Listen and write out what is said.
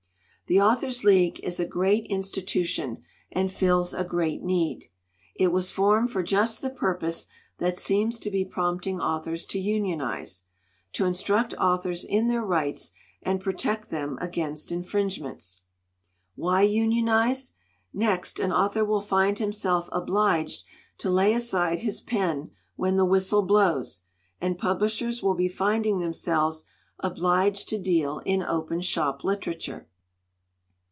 "The Authors* League is a great institution and fills a great need. It was formed for just the pur pose that seems to be prompting authors to union ize to instruct authors in their rights and pro tect them against infringements. 245 LITERATURE IN THE MAKING "Why unionize? Next, an author will find himself obliged to lay aside his pen when the whistle blows, and publishers will be finding them selves obliged to deal in open shop literature."